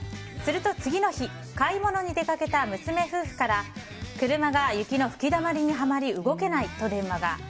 すると次の日買い物に出かけた娘夫婦から車が雪の吹き溜まりにはまり動けないと電話が。